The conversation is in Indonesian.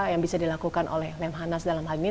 yang bisa dilakukan oleh lemhanas dalam hal ini